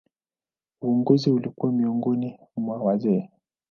Uongozi ulikuwa mikononi mwa wazee.